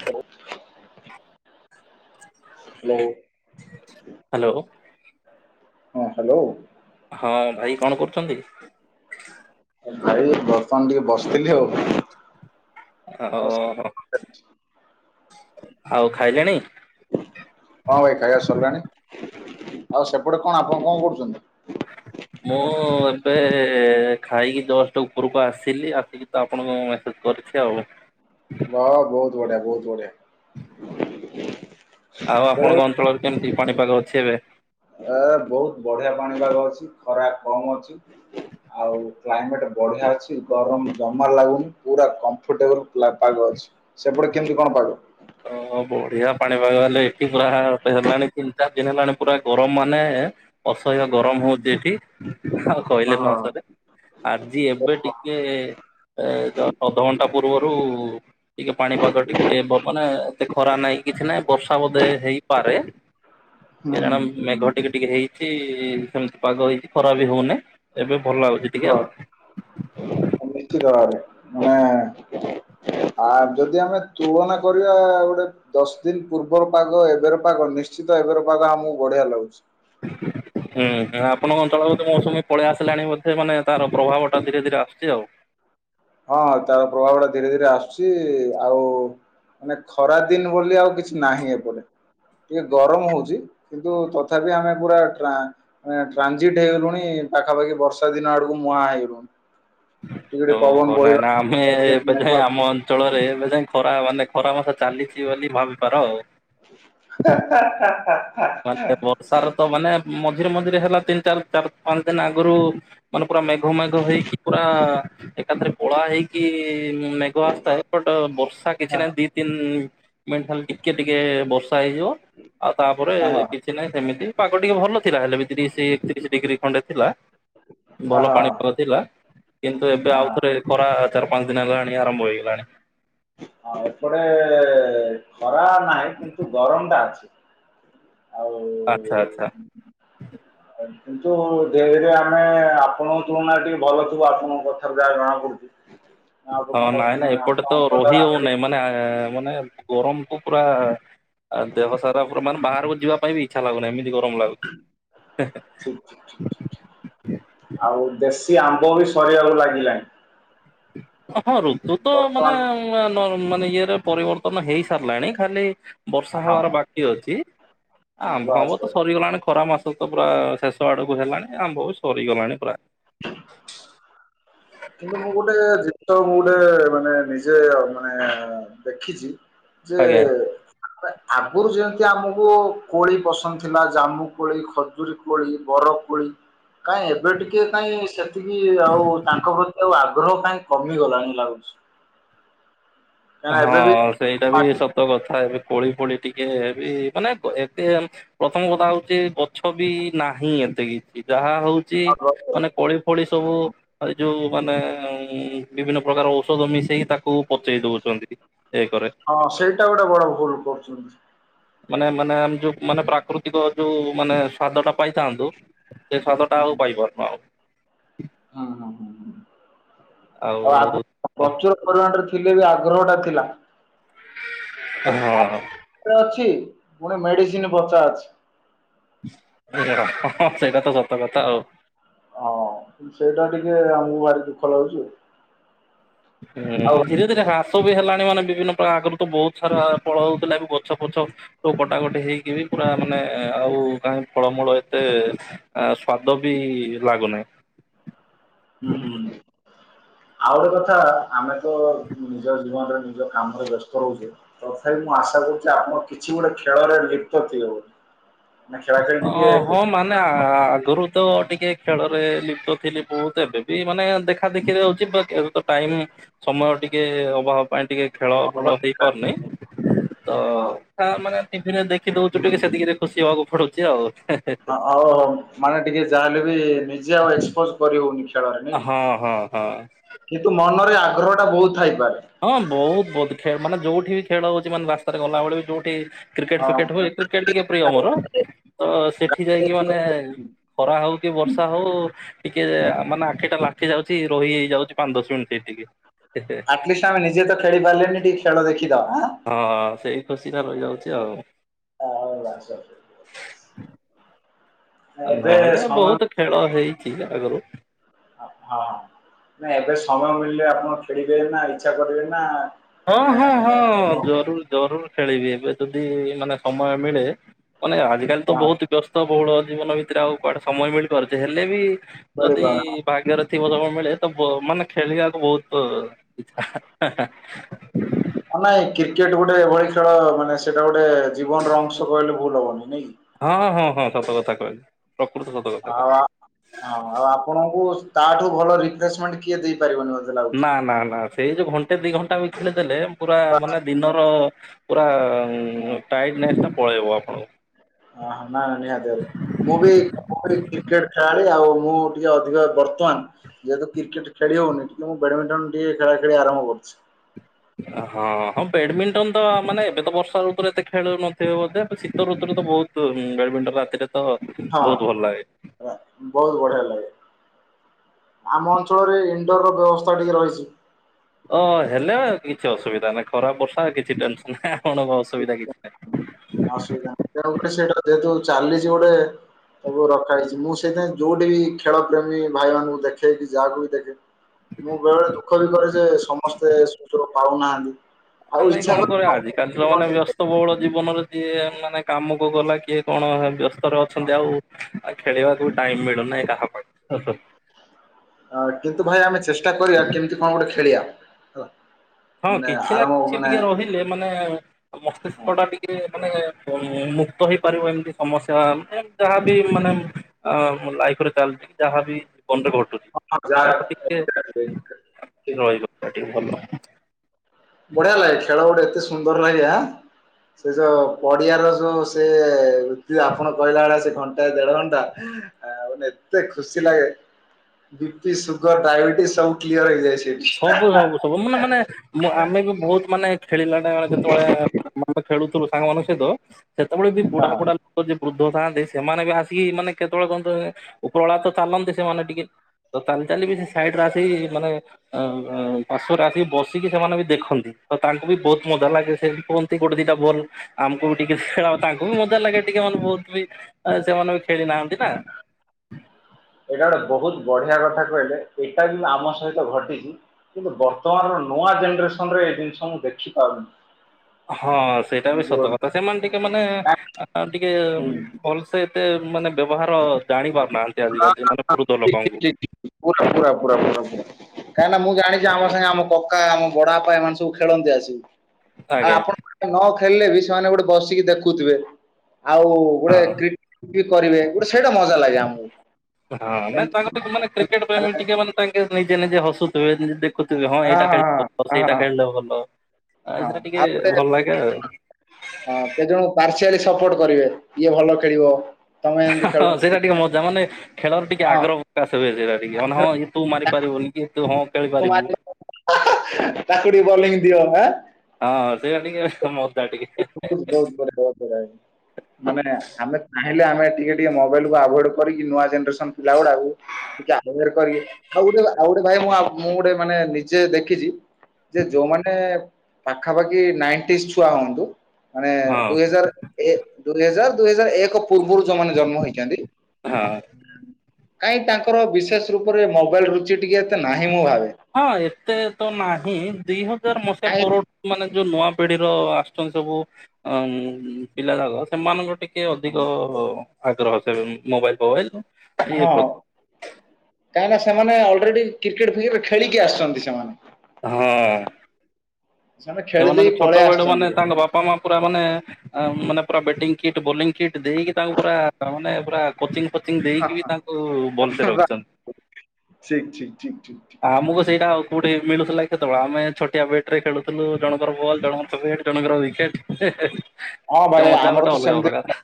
[unintelligible] Hello. ହଁ hello. ହଁ ଭାଇ କଣ କରୁଛନ୍ତି? ଭାଇ ବର୍ତ୍ତମାନ ଟିକେ ବସିଥିଲି ଆଉ। ଆଉ ଓହୋ ସେ- ଆଉ ଖାଇଲେଣି? ହଁ ଭାଇ ଖାଇବା ସରିଲାଣି ଆଉ ସେପଟେ କଣ ଆପଣ କଣ କରୁଛନ୍ତି? ମୁଁ ଏବେ ଖାଇକି ଦଶଟା ଉପରକୁ ଆସିଲି ଆସିକି ତ ଆପଣଙ୍କୁ ମୁ ମେସେଜ କରିଛି ଆଉ। ବଢ଼ିଆ ବହୁତ ବଢ଼ଆ। ଆଉ ବେଳେ ବେଳେ ଆପଣଙ୍କ ଅଞ୍ଚଳରେ କେମିତି ପାଣିପାଗ ଅଛି ଏବେ? ଏ ବହୁତ ବଢିଆ ପାଣିପାଗ ଅଛି ଖରା କମ ଅଛି। ହ ଆଉ କ୍ଲାଇମେଟ ବଢିଆ ଅଛି ଗରମ ଜମା ଲାଗୁନି ପୁରା କମ୍ଫର୍ଟେବଲ ପାଗ ଅଛି। ସେପଟେ କେମିତି କଣ ପାଇବ? ହ ବଢିଆ ପାଣିପାଗ ହେଲେ ଏଠି ପୁର ହେଲାଣି କି। ଦିନ ହେଲାଣି ପୁରା ଗରମ ମାନେ ଅସହ୍ୟ ଗରମ ହୁଁ, ହଉଛି ଏଠି ଆଉ କହିଲେ ହଁ ନ ସରେ। ଆଜି ଏବେ ଟିକେ ଏ ଅଧଘଣ୍ଟା ପୂର୍ବରୁ ଟିକେ ପାଣିପାଗ ଟିକେ ମାନେ ଏତେ ଖରା ନାଇଁ କିଛି ନହିଁ ବର୍ଷା ବୋଧେ ହେଇପାରେ ହୁଁ, ସେ ଜଣେ ହୁଁ, ମେଘ ଟିକେ ଟିକେ ହେଇଛି ସେମିତି ପାଗ ହେଇଛି ଖରା ବି ହଉନିଁ ଏବେ ଭଲ ଲାଗୁଛି ଟିକେ ହଁ ଆଉ। ନିଶ୍ଚିତ ଭାବରେ ମାନେ ଆ ଯଦି ଆମେ ତୁଳନା କରିବା ଗୋଟେ ଦଶ ଦିନ ପୂର୍ବର ପାଗ ଏବେର ପାଗ ନିଶ୍ଚିତ ଏବେର ପାଗ ଆମକୁ ବଢିଆ ଲାଗୁଛି। ହ ହୁଁ ହୁଁ ଆପଣଙ୍କ ଅଞ୍ଚଳ ମୌସୁମୀ ପଳେଇ ଆସିଲାଣି ବୋଧେ ମାନେ ତାର ପ୍ରଭାବ ଟା ଧୀରେ ଧୀରେ ଆସୁଛି ଆଉ। ହଁ ତାର ପ୍ରଭାବ ଟା ଧୀରେ ଧୀରେ ଆସୁଛି ଆଉ ମାନେ ଖରା ଦିନ ବୋଲି ଆଉ କିଛି ନାହିଁ ଏପଟେ। ଟିକେ ଗରମ ହଉଛି କିନ୍ତୁ ତଥାପି ଆମେ ପୁରା ଟ୍ରା୍ନଜିଟ ହେଇଗଲୁଣି ପାଖାପାଖି ବର୍ଷା ଦିନ ଆଡକୁ ମୁହାଁ ହେଇଗୁଣି ଓ ହଉ ନାଇଁ ନା ଆମେ ଟିକେ ଏବେ ଯାଇ ମେଘୁଆ ଆମ ଅଞ୍ଚଳରେ ଏବେ ଯାଇ ଖରା ମାନେ ଖରା ମାସ ଚାଲିଛି ବୋଲି ଭାବିପାର ଆଉ ହା ହା ହା ହା ମାନେ ବର୍ଷାରେ ତ ମାନେ ମଝିରେ ମଝିରେ ହେଲା ତିନି ଚାରି ଚାରି ପାଞ୍ଚ ଦିନ ଆଗରୁ ମାନେ ପୁରା ମେଘ ମେଘ ହେଇକି ପୁରା ଏକାଥରେ କଳା ହେଇକି ମେଘ ଆସିଥାଏ ବଟ ବର୍ଷା ହଁ କିଛି ନାହିଁ ଦି ତିନ ମେନ୍ ଖାଲି ଟିକେ ଟିକେ ବର୍ଷା ହେଇଯିବ ଆଉ ତାପରେ ହଁ ହଁ କିଛି ନାହିଁ ସେମିତି ପାଗ ଟିକେ ଭଲ। ଥିଲା ହେଲେ ବି ତିରିଶ ଏକତିରିଶ ଡିଗ୍ରୀ ଖଣ୍ଡେ ଥିଲା। ହଁ ଭଲ ପାଣିପାଗ ହଁ ଥିଲା କିନ୍ତୁ ଏବେ ହଁ ଆଉଥରେ ଖରା ଚାରି ପାଞ୍ଚ ଦିନ ହେଲାଣି ଆରମ୍ଭ ହେଇଗଲାଣି। ହଁ ଏପଟେ ଖରା ନାହିଁ କିନ୍ତୁ ଗରମ ଟା ଅଛି। ଆଉ ଆଚ୍ଛା ଆଚ୍ଛା [inaudible] କିନ୍ତୁ ଧିରେ ଧୀରେ ଆମେ ଆପଣଙ୍କ ତୁଳନା ଟିକେ ଭଲ ଥିବୁ ଆପଣଙ୍କ କଥାରୁ ଯାହା ଜଣାପଡୁଛି। ହଁ ନାଇଁ ନାଇଁ ଏପଟେ ତ ଅନ୍ତରଟାରେ ରହି ଆମେ ହଉନହିଁ ମାନେ ମାନେ ଗରମକୁୁ ପୁରା ଆଉ ଦେହ ସାରା ପୁର ମାନେ ବାହାରକୁ ଯିବା ପାଇଁ ବି ଇଚ୍ଛା ଲାଗୁନି ଏମିତି ଗରମ ଲାଗୁଛି ହେ ହେ ଟିକେ ଆଉ ଦେଶୀ ଆମ୍ବ ବି ସରିବାକୁ ଲାଗିଲାଣି। ହଁ ଋତୁ ତ ମାନେ ବର୍ତ୍ତମାନ ମାନେ ଇଏରେ ପରିବର୍ତ୍ତନ ହେଇ ସାରିଲାଣି ଖାଲି ବର୍ଷା ହଁ ହବାର ବାକି ଅଛି ଆମ୍ବ ବାସ୍ ଫାମ୍ବ ତ ବାସ୍ ସରିଗଲାଣି ଖରା ମାସ। ତ ପୁରା ଶେଷ ଆଡକୁ ହେଲାଣି ଆମ୍ବ ବି ସରିଗଲାଣି ପୁରା କିନ୍ତୁ ମୁଁ ଗୋଟେ ଜିନିଷ ମୁଁ ଗୋଟେ ମାନେ ନିଜେ ମାନେ ଦେଖିଛି ଯେ ଆଜ୍ଞା। ଆ ଆଗରୁ ଯେମିତି ଆମକୁ କୋଳି ପସନ୍ଦ ଥିଲା ଜାମୁ କୋଳି ଖଜୁରୀ କୋଳି ବର କୋଳି କାଇଁ ଏବେ ଟିକେ ଟଏ କାଇ ସେତିକି ଆଉ ତାଙ୍କ ପ୍ରତି ଆଉ ଆଗ୍ରହ କାଇଁ କମିଗଲାଣି ଲାଗୁଛି। କାହିଁକିନା ଏବେ ବି ହଁ ସେଇଟା ବି ସତ କଥା ଏବେ କୋଳି ଫୋଳି ଟିକେ ବି ମାନେ ଏବେ ପ୍ରଥମ କଥା ହଉଛି ଗଛ ବି ନାହିଁ ଏତେ କି ଯାହା ହଉଛି ମାନେ କୋଳି ଭଳି ସବୁ ଯୋଉ ମାନେ ଉ ବିଭିନ୍ନ ପ୍ରକାର ଔଷଧ ମିଶେଇକି ତାକୁ ପଚେଇ ଏଇ କରେ ହଁ ସେଇଟା ଗୋଟେ ବଡ ଭୁଲ କରୁଛନ୍ତି। ମାନେ ମାନେ ଆମ ଯୋଉ ମାନେ ପ୍ରାକୃତିକ ଯୋଉ ମାନେ ସ୍ଵାଦ ଟା ପାଇଥାନ୍ତୁ। ସେ ସାତଟା ଆଉ ପାଇପାରୁନୁ ଆଉ ହଁ ହଁ ହଁ ଆଉ ପ୍ରଚୁର ପରିମାଣରେ ଥିଲେ ବି ଆଗ୍ରହଟା ଥିଲା। ହଁ ଏବେ ଅଛି ପୁଣି ମେଡିସିନ ବଚା ଅଛି ସେଇଟା ତ ସତ କଥା ଆଉ ହଁ ସେଇଟା ଟିକେ ଆମକୁ ଭାରି ଦୁଃଖ ଲାଗୁଛି। ଆଉ ହୁଁ ରେ ହ୍ରାସ ବି ହେଲାଣି ମାନେ ବିଭିନ୍ନ ପ୍ରକାର ଆଗରୁ ତ ବହୁତ ସାରା ଫଳ ହଉଥିଲା ବି ଗଛ ପଛ। ତ କଟାକଟି ହେଇକି ବି ପୁରା ମାନେ ଆଉ କାହିଁ ଫଳମୂଳ। ତେ ସ୍ୱାଦ ବି ଲାଗୁନାହିଁ ହୁଁ ହୁଁ ଆଉ ଗୋଟେ କଥା ଆମେ ତ ନିଜ ଜୀବନରେ ନିଜ କାମରେ ବ୍ୟସ୍ତ ରହୁଛେ ତଥାପି ମୁଁ ଆଶା କରୁଛି ଆପଣ କିଛି ଗୋଟେ ଖେଳରେ ଲିପ୍ତଥିବେ ବୋଧେ ମଁ ଖେଳ ଖ ଅ ହଁ ମାନେ ଆଗରୁ ତ ଟିକେ ଖେଳରେ ଲିପ୍ତ ଥିଲି ବହୁତ ଏବେ ବି ମାନେ ଦେଖା ଦେଖିରେ ହଉଛି ମାନେ ଖେ ତ ଟାଇମ ସମୟ ଟିକେ ଅଭାବ ପାଇଁ ଟିକେ ଖେଳ ବୁଲ ହେଇପାରୁନି ତ ହଁ ତା ମାନେ ଟିଭିରେ ଦେଖି ଦଉଛୁ ଟିକେ ସେତିକି ଖୁସି ହବାକୁ ପଡୁଛି ଆଉ ହଉ ହଉ ମାନେ ଟିକେ ଯାହା ହେଲେବି ନିଜେ ଆଉ ଏ କରି ହଉନି ଖେଳରେ ନାଇଁ ହଁ ହଁ ହଁ। କିନ୍ତୁ ମନରେ ଆଗ୍ରହଟା ବହୁତ ଥାଇପାରେ ହଁ ବହୁତ ବହୁତ ଖେ ମାନେ ଯୋଉଠି ଖେଳ ହଉଛି ମାନେ ରାସ୍ତାରେ ଗଲାବେଳେ ବି ଯୋଉଠି କ୍ରିକେଟ ଫିକେଟ ହଉ କ୍ରିକେଟ ଟିକେ ପ୍ରିୟ ମୋର ତ ସେଠି ଯାଇକି ମାନେ ଖରା ହଉ କି ବର୍ଷା ହଉ ଟିକେ ମାନେ ଆଖିଟା ଲାଖୀ ଯାଉଛି ରହି ହେଇ ଯାଉଛି ପାଞ୍ଚ ଦଶ ମିନିଟ୍ ଟିକେ ଆଟଲିଷ୍ଟ ଆମେ ନିଜେ ତ ଖେଳି ପାରିଲନି ଟିକେ ଖେଳ ଦେଖିଦବା ହଁ ସେଇ ଖୁସିଟା ରହିଯାଉଛି ଆଉ ଆଉ ଏବେ ନହେଲେ ସମୟ ବହୁତ ଖେଳ ହଁ। ହେଇଛି ଆଗରୁ ହଁ ନା ଏବେ ସମୟ ମିଳିଲେ ଆପଣ ଖେଳିବେ ନା ଇଛା କରିବେ ନା ହଁ ମାନେ ହଁ ହଁ ଜରୁର ଜରୁର ଖେଳିବି ଏବେ ଯଦି ମାନେ ସମୟ ମିଳେ ମାନେ ଆଜିକାଲି ତ କଣ ବହୁତ ବ୍ୟସ୍ତ ବହୁଳ ଜୀବନ ଭିତରେ ଆଉ କୁଆଡେ ସମୟ ମିଳିପାରୁଛି ହେଲେ ବି ଯଦି ମିଳିପାରୁନି। ଭାଗ୍ୟରେ ଥିବ ସବୁ ମିଳେ ତ ମାନେ ଖେଳିବାକୁ ବହୁତ ଇଛା ନାଇଁ କ୍ରିକେଟ ଗୋଟେ ଏଭଳି ଖେଳ ମାନେ ସେଇଟା ଗୋଟେ ଜୀବନର ଅଂଶ କହିଲେ ଭୁଲ ହବନି ନାଇଁ କି ହଁ ହଁ ହଁ ସତ କଥା କହିଲି ପ୍ରକୃତ ସତକଥା ଆଉ କହିଲି ଆ- ହଁ ଆଉ ଆପଣଙ୍କୁ ତାଠୁ ଭଲ ରିଫ୍ରେସମେଣ୍ଟ କିଏ ଦେଇପାରିବନି ବୋଧେ ନା ନା ନା ସେଇ ଯୋଉ ଘଣ୍ଟେ ଦି ଘଣ୍ଟା ଭିତରେ ଦେଲେ ପୁରା ମାନେ ଦିନର ପୁରା ହଁ, ଟାଇଟନେସ୍ ଟା ପଳେଇବ ଆପଣଙ୍କୁ ହ ହ ନା ନିହାତି ଭାବରେ ମୁଁ ବି କ୍ରିକେଟ ଖେଳାଳି ଆଉ ମୁଁ ଟିକେ ଅଧିକ ବର୍ତ୍ତମାନ ଯେହେତୁ କ୍ରିକେଟ ଖେଲି ହଉନିି ମୁଁ ବ୍ୟାଡମିଣ୍ଟନ ଟିକେ ଖେଳା ଖେଳି ଆରଭ କରୁଛି। ହଁ ହଁ ବେଡମିଣ୍ଟନ ତ ମାନେ ଏବେ ତ ବର୍ଷା ଋତୁରେ ଏତେ ଖେଳୁନଥିବେ ବୋଧେ ଶୀତ ଋତୁରେ ତ ବହୁତ ବ୍ୟାଡମିଣ୍ଟନ ରାତିରେ ତ ହଁ ବହୁତ ଭଲ ଲାଗେ ବହୁତ ବଢିଆ ଲାଗେ। ଆମ ଅଞ୍ଚଳରେ ଇନଣ୍ଡୋରର ବ୍ୟବସ୍ଥା ଟିକେ ରହିଛି। ଅ ହେଲେ କିଛି ଅସୁବିଧା ନାହିଁ ଖରା ବର୍ଷା କିଛି ଟେନସନ ନାହିଁ ଆପଣଙ୍କ ଅସୁବିଧା କିଛି ନାହିଁ [unintelligible] ଅସୁବିଧା ନାହିଁ ତେଣୁକରି ସେଇଟା ଯେହେତୁ ଚାଲିଛି ଗୋଟେ ସବୁ ରଖା ହେଇଛି ମୁଁ ସେଇଥିାଇଁ ଯୋଉଠି ବି ଖେଳ ପ୍ରେମୀ ଭାଇମାନାନଙ୍କୁ ଦେଖେ କି ଯାହାକୁ ବି ଦେଖେ ମୁଁ ବେଳେ ବଳେ ଦୁଃଖ ବି କରେ ଯେ ସମସ୍ତେ ସୁଯୋଗ ପାଉନାହାନ୍ତି ଆ ଆଉ ନାଇଁ ଇଚ୍ଛା କଣ କରେ କର ଆଜିକାଲି ତ ମାନେ ବ୍ୟସ୍ତ ବେସ୍ତ ବୋହୁଲ ଜୀବନରେ ଯିଏ ମାନେ କାମକୁ ଗଲା କିଏ କଣ ବ୍ୟସ୍ତ ଅଛନ୍ତି ଆଉ ଆ ଖେଳିବାକୁ ଟାଇମ ମିଳୁନାହିଁ କାହା ପାଇଁ କିନ୍ତୁ ଭାଇ ଆମେ ଚେଷ୍ଟା କରିବା କେମିତି କଣ ଗୋଟେ ଖେଳିବା ହେଲା ହଁ ମାନେ କିଛି ନା ଆରାମଭ କିଛି ମାନେ ଟିକେ ରହିଲେ ମାନେ ମସ୍ତିଷ୍କ ଟା ଟିକେ ମାନେ ମୁକ୍ତ ହେଇପାରିବ ଏମିତି ସମସ୍ୟା ମାନେ ଯାହାବି ମାନେ ଆଁ ଲାଇଫରେ ଚାଲିଛି ଯାହାବି ଘଟୁଛି ତାଠୁ [unintelligible] ସେଠିକ ଭଲ [inaudible] ବଢିଆ ଲାଗେ ଖେଳ ଗୋଟେ ଏତେ ସୁନ୍ଦର ଲାଗେ ସେ ଯୋଉ ପଡିଆର ଯୋଉ ସେ ଋତୁ ଆପଣ କହିଲା ଭେଳିଆ ଦେଢ ଘଣ୍ଟା ଏତେ ଖୁସି ଲାଗେ ବି ପି ସୁଗର ଡାଇବେଟିସ୍ ସବୁ କ୍ଲିୟର ହେଇଯାଇଛି ସବୁ ସବୁ ସବୁ ମାନ ମାନେଁ ଆମେ ବି ବହୁତ ମାନେ ଖେଳିଲା ଟା ବଳେ କେତେବେଳେ ଖେଳୁଥିଲୁ ସାଙ୍ଗ ମଷ ତ ସେତେବେଳେ ବି ହଁ ବୁଢା ହଁ ବୁଢା ଯ ବୃଦ୍ଧ ଥାନ୍ତି ସେମାନେ ବି ଆସିକି ମାନେ କେତେବେଳେ କ ଉପରହଳା ତ ଚାଲନ୍ତି ସେମାନେ ଟିକେ ତ ଚାଲି ଚାଲଲି ବି ସେ ସାଇଡରେ ଆସିକି ମାନେ ଅ ପାଶରେ ଆସିକି ବସିକି ସେମାନେ ବି ଦେଖନ୍ତି ଆ ତାଙ୍କୁ ବି ବହୁତ ମଜା ଲାଗେ ସେମିତି କୁହ ଗୋଟେ ଦିଟା ବଲ ଆମକୁ ବି ଟିକେ ଖେଳ ତାଙ୍କୁ ବି ମଧ୍ୟ ଲାଗେ ଟିକେ ମାନେ ବହୁତ ବି ଆ ସେମାନେ ବି ଖେଳି ନାହାନ୍ତି ନା ଏଇଟା ଗୋଟେ ବହୁତ ବଢିଆ କଥା କହିଲେ ଏଇଟା ବି ଆମ ସହିତ ଘଟିଛି କିନ୍ତୁ ବର୍ତ୍ତମାନର ନୂଆ ଜେନେରେସନ ରେ ଏଇ ଜିନିଷ ମୁଁ ଦେଖିପାରୁିଲିନି ହଁ ସେଇଟା ବି ସତ କଥା ସେମାନେ ଟିକେ ମାନେ ଟିକେ ହୁଁ। ଭଲସେ ଏତେ ମାନେ ବ୍ୟବହାର ଜାଣି ପାରୁନାହାନ୍ତି ଆଜିକାଲି ମାନେ ବୃଦ୍ଧ ଲୋକଙ୍କୁ ପୁର ପୁରା ପୁର ପୁର ପୁର [inaudible] କାହିଁକି ନା ମୁଁ ଜାଣିଛି ଆମ ସାଙ୍ଗେ ଆମ କକା ଆମ ବଡା ବାପା ଏମାନେ ସବୁ ଖେଳନ୍ତି ଆସିବି ଆଉ ଆଜ୍ଞା ଆପଣ ନ ଖେଳିଲେ ବି ସେମାନେ ଗୋଟେ ବସିକି ଦେଖୁଥିବେ ଆଉ ହଁ। ଗୋଟେ୍ର କରିବେ ଗୋଟେ ସେଇଟା ମଜା ଲାଗେ ଆମକୁ। ହଁ ନାଇଁ ଏମତି ତାଙ୍କର ମାନେ କ୍ରିକେଟ ପ୍ରେମ ଟିକେ ମାନେ ତାଙ୍କେ ନିଜେ ନିଜେ ହସୁଥିବେ ଦେ ହଁ ଏଇଟା ଖେଳିଲ ଭଲ ହଁ ହଁ ସେଇଟା ହଁ ଖେଳିଲେ ଭଲ ହଁ ସେଇଟା ଟିକେ ଆଉ ଗୋଟେ ଭଲ ଲାଗେ ଆଉ ହଁ ସେ ଜଣଙ୍କୁ ପାର୍ସିଆ ସପୋର୍ଟ କରିବେ ଇଏ ଭଲ ଖେଳିବ ତମେ ଏମିତି ହଁ ଖେଳୁ ସେଇଟା ଟିକେ ମଜା ମାନେ ଖେଳର ଟିକେ ଆଗ୍ରହ ପ୍ରକାଶ ହୁଏ ସେଇଟା ଟିକେ ମାନେ ହଁ ତୁ ମାରି ପାରିବୁନି କି ତୁ ହଁ ଖେଳି ୁମା ପାରିବୁ। ଚାକୁଡିୀ ବଂ ଦିଅ ହଁ କଣେ ମ ବହୁତ ବା ବହୁତ ବରାା ମାନେ ଆମେ ଚାହିଁଲେ ଆମେ ଟିକେ ଟିକେ ମୋବାଇଲକୁୁ ଆଭୋଡ କରିକି ନୂଆ ଜେନେରେସନ ପିଲା ଗୁଡାକୁ ଟିକେ ଆ କରିବେ ଆଉ ଗୋଟେ ଆଉ ଗୋଟେ ଭାଇ ମୁଁ ମୁଁ ଗୋଟେ ମାନେ ନିଜେ ଦେଖିଛି ଯେ ଯୋଉମାନେ ପାଖାପାଖି ନାଇଣ୍ଟିସ୍ ଛୁଆ ହୁଅନ୍ତୁ ମାନେ ହଁ ଦୁଇ ହଜାର ଦୁଇ ହଜାର ଦୁଇ ହଜାର ଏକ ପୂର୍ବରୁ ଯୋଉମାନେ ଜନ୍ମ ହେଇଛନ୍ତି ହଁ କାଇହିଁ ତାଙ୍କର ବିଶେଷ ରୂପରେ ମୋବାଇଲ ରୁଚି ଟିକେ ଏତେ ନାହିଁ ମୁଁ ଭାବେ ହଁ ଏତେ ତ ନାହିଁ ଦି ହଜାର ମସିହା କାହିଁ ପର ମାନେ ଯୋଉ ନୂଆ ପିଢିର ଆସୁଛନ୍ତି ସବୁ ଅ ପିଲା ଯାକ ସେମାନଙ୍କ ଟିକେ ଟିକେ ଅଧିକ ଆଗ୍ରହ ସେ ମୋବାଇଲ ଫୋବାଇଲ ହଁ ଇଏ ପ୍ରତି କାହିଁକନା ସେମାନେ ଅଲରେଡ଼ି କ୍ରିକେଟ୍ ଫିକେଟ୍ ଖେଳିକି ଆସିଛନ୍ତି ସେମାନେ ହଁ ସେମାନେ ଖେଳି ଦେଇ ସେମାନେେ ଛୋଟ ପଳେଇ ବେଳୁ ଆସିଛନ୍ତି। ମାନେ ତାଙ୍କ ବାପା ମା ପୁରା ମାନେ ମାନେ ପୁରା ବ୍ୟାଟିଂ କିଟ୍ ବୋଲିଂ କିଟ୍ ଦେଇକି ତାଙ୍କୁ ପୁରା ମାନେ ପୁରା କୋଚିଂ ଫୋଚିଂ ଦେଇକି ବି ତାଙ୍କୁ ଭଲସ ଠିକ ରହିଛନ୍ତି ଠିକ ଠିକ ଠିକ ଠ ଠ ଆମକୁ ସେଇଟା ଆଉ କୋଉଠି ମିଳଥିଲା କେତେବେଳେ ଆମେ ଛୋଆ ବେଟ ରେ ଖେଳୁ ଥିଲ ଜଣଙ୍କର ବଲ ଜଣଙ୍କର ବଟ ଜଣଙ୍କର ିକେଟ ହଁ ଭାଇ ତ ମଦା ଆମର ଗୋଟେ ତ ଅଲଗ ସେମିତି ପ୍ରକାର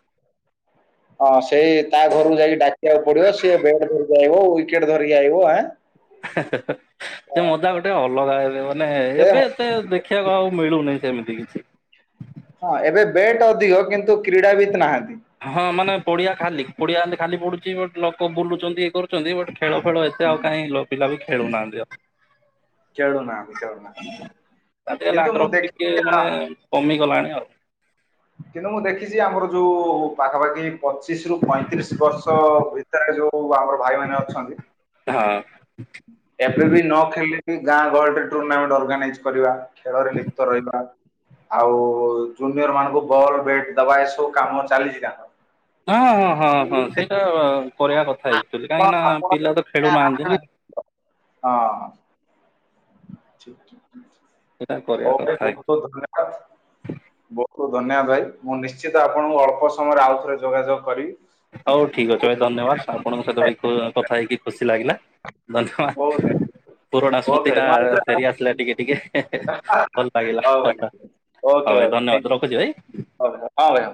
ହଁ ସେଇ ତା ଘରକୁ ଯାଇକି ଡାକିବାକୁ ପଡିବ ସିଏ ବେଟ୍ ଧରିକି ଆଇିବ ୱିକେଟ ଧରିକି ଆଇିବଁ ସେ ମଜା ଗୋଟେ ଅଲଗା ଏବେ ମାନେ ଦେ ଏବେ ସେ ଦେଖିବାକୁ ଆଉ ମିଳୁନି ସେମିତି କିଛି ହଁ ଏବେ ବେଟ ଅଧିକ କିନ୍ତୁ କ୍ରୀଡ଼ାାବିତ ନାହାନ୍ତି ହଁ ମାନେ ପଡିଆ ଖାଲି ପଡିଆ ଖଲେ ଖାଲି ପଡୁଛି ବ ଲୋକ ବୁଲୁଛନ୍ତି କର ବଟ ଖେଳ ଫେଳ ଏତେ ଆଉ କାହିଁ ଲୋକ ପିଲା ବି ଖେଳୁନାହାନ୍ତି ଆଉ ଖେଳୁନାହାନ୍ତି ଖେଳୁନାହାନ୍ତି ତା ଟ କିନ୍ତୁ ମୁଁ ଲାଗ୍ର ଟିକେ ଦେଖିଛି ଆ ମାନେ କମିଗଲାଣି ଆଉ କିନ୍ତୁ ମୁଁ ଦେଖିଛି ଆମର ଯୋଉ ପାଖାପାଖି ପଚିଶ ରୁ ପଇଁତିରିଶ ବର୍ଷ ଭିତରେ ଯୋଉ ଆମର ଭାଇମାନୋନ ଅଛନ୍ତି ହଁ ଏବେ ବି ନ ଖେଲେ ଗାଁ ଗଳରେ ଟୁର୍ଣ୍ଣାମେଣ୍ଟ ଅର୍ଗାନାଇଜ କରିବା ଖେଳରେ ଲିପ୍ତ ରହିବା ଆଉ ଜୁନିୟର ମାନଙ୍କୁ ବଲ ବେଟ ଦବା ଏସବୁ କାମ ଚାଲିଛି କ ହଁ ହଁ ହଁ ହଁ ସେଇଟା କରିବା କଥାଚୁଆଲି ହଉ କାହିଁକି ନା ପିଲା ତ ଖେଳୁନାହାନ୍ତି ନା ହଁ କେ ସେଇଟା କରିବା କଥା ବହୁତ ବହୁତ ଧନ୍ୟବାଦ ବହୁତ ବହୁତ ଧନ୍ୟବାଦ ଭାଇ ମୁଁ ନିଶ୍ଚିତ ଆପଣଙ୍କୁ ଅଳ୍ପ ସମୟରେ ଆଉ ଥରେ ଯୋଗାଯୋଗ କରିବି ହଉ ଠିକ ଅଛି ଭ ଧନ୍ୟବାଦ ଆପଣଙ୍କ ସହିତ କଥା ହେଇକି ଖୁସି ଲାଗିଲା ଧନ୍ୟବାଦ ବହୁତ ପୁରୁଣା ଓକେ ସ୍ମୃତି ଟା ମୁଁ ଆଉ ଥରେ ଫେରିଆସିଲା ଟିକେ ଟିକେ ଭଲ ଲାଗିଲା ହଉ ଭାଇ ହ ଓକେ ଭାଇ ଥ୍ୟାଙ୍କ ଧନ୍ୟବାଦ ୟୁ ରଖୁଛି ଭାଇ ହଁ ଭାଇ ହଁ ଭାଇ।